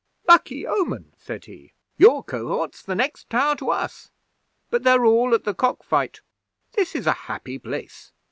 '"Lucky omen!" said he. "Your Cohort's the next tower to us, but they're all at the cock fight. This is a happy place.